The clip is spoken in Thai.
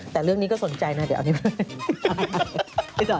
แต่เรื่องนี้ก็สนใจนะเดี๋ยวเอานี่มา